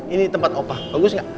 ini tempat opa bagus nggak